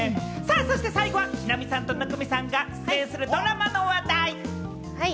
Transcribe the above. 最後は木南さんと生見さんが出演するドラマの話題。